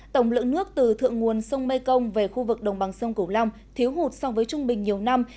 tổng lượng nước từ thượng nguồn sông mê công về khu vực đồng bằng sông cổ long thiếu hụt so với trung bình nhiều năm